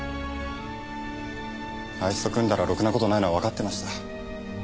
あいつと組んだらろくな事ないのはわかってました。